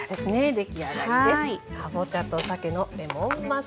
出来上がりです。